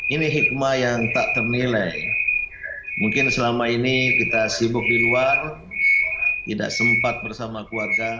ini hikmah yang tak ternilai mungkin selama ini kita sibuk di luar tidak sempat bersama keluarga